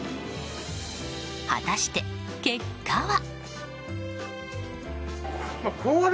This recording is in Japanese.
果たして、結果は。